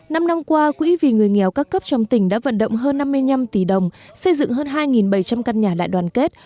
năm năm qua quỹ vì người nghèo các cấp trong tỉnh đã vận động hơn năm mươi năm tỷ đồng xây dựng hơn hai bảy trăm linh căn nhà đại đoàn kết